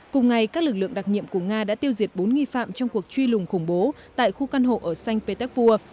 cùng ngày các lực lượng đặc nhiệm của nga đã tiêu diệt bốn nghi phạm trong cuộc truy lùng khủng bố tại khu căn hộ ở sanh petersburg